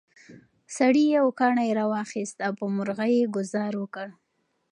سړي یو کاڼی راواخیست او په مرغۍ یې ګوزار وکړ.